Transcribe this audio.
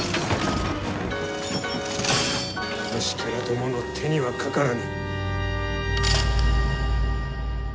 虫けらどもの手にはかからぬ。